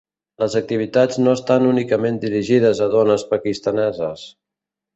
Les activitats no estan únicament dirigides a dones pakistaneses.